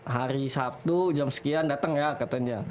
hari sabtu jam sekian datang ya katanya